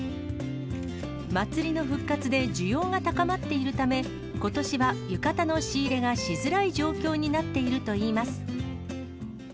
祭りの復活で需要が高まっているため、ことしは浴衣の仕入れがしづらい状況になっているといいます。